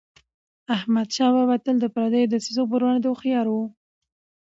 احمدشاه بابا به تل د پردیو دسیسو پر وړاندي هوښیار و.